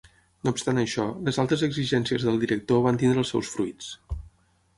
No obstant això, les altes exigències del director van tindre els seus fruits.